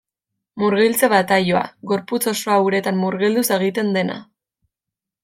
Murgiltze bataioa: gorputz osoa uretan murgilduz egiten dena.